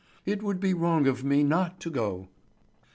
It would be wrong of me not to go."